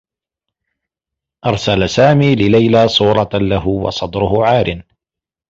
أرسل سامي لليلى صورة له و صدره عار.